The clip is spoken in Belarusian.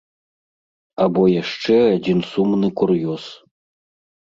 Або яшчэ адзін сумны кур'ёз.